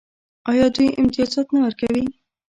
آیا دوی امتیازات نه ورکوي؟